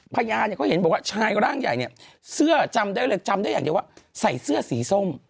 พยานเนี่ยเขาเห็นบอกว่าชายร่างใหญ่เนี่ยเสื้อจำได้เลยจำได้อย่างเดียวว่าใส่เสื้อสีส้ม